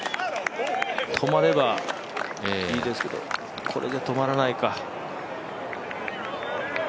止まればいいですけどこれで止まらないか。